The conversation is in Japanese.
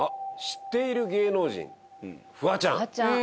知っている芸能人フワちゃん